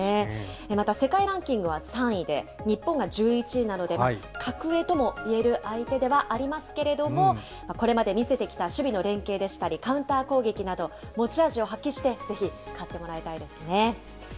また世界ランキングは３位で、日本が１１位なので、格上ともいえる相手ではありますけれども、これまで見せてきた守備の連係でしたり、カウンター攻撃など、持ち味を発揮して、ぜひ勝ってもらいたいですね。